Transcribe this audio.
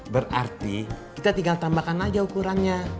berarti kita tinggal tambahkan aja ukurannya